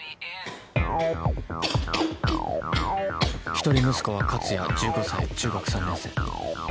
一人息子は克哉１５歳中学３年生。